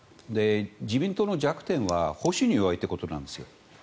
自民党の弱点は保守に弱いということなんですよ。